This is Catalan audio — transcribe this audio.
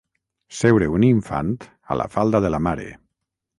Seure un infant a la falda de la mare.